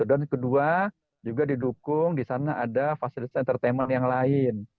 kedua juga didukung di sana ada fasilitas entertainment yang lain